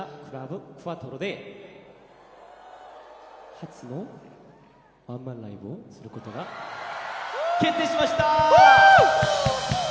初のワンマンライブをすることが決定しました！